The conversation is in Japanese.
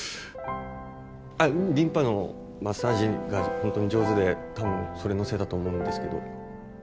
あリンパのマッサージがほんとに上手でたぶんそれのせいだと思うんですけど。